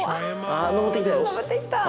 あ昇ってきた。